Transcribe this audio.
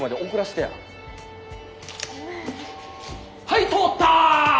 はい通った！